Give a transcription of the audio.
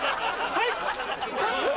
はい！